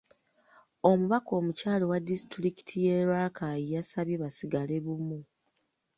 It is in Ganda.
Omubaka omukyala owa disitulikiti y’e Rakai yabasabye basigale bumu.